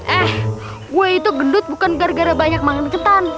eh gue itu gendut bukan gara gara banyak makan ketan